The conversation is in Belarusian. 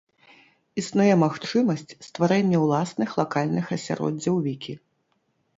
Існуе магчымасць стварэння ўласных лакальных асяроддзяў вікі.